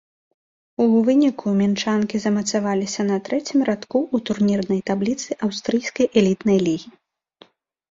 У выніку мінчанкі замацаваліся на трэцім радку ў турнірнай табліцы аўстрыйскай элітнай лігі.